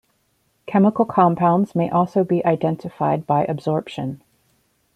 Chemical compounds may also be identified by absorption.